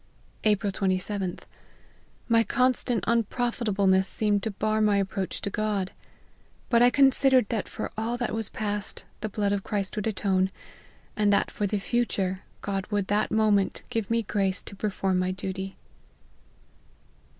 " April 27th. My constant unprofitableness seemed to bar my approach to God. But I con sidered that for all that was past, the blood of Christ would atone ; and that for the future, God would that moment give me grace to perform my duty."